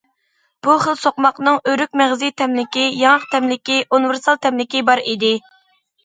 بۇ خىل سوقماقنىڭ ئۆرۈك مېغىزى تەملىكى، ياڭاق تەملىكى، ئۇنىۋېرسال تەملىكى بار ئىدى.